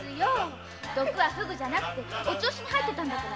毒はフグではなくお銚子に入っていたんですから。